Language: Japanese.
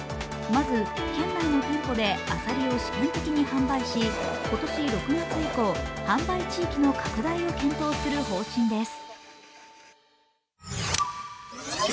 まず県内の店舗でアサリを試験的に販売し、今年６月以降、販売地域の拡大を検討する方針です。